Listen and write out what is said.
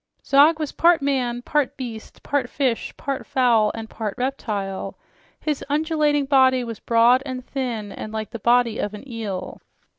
Zog was part man, part beast, part fish, part fowl, and part reptile. His undulating body was broad and thin and like the body of an eel.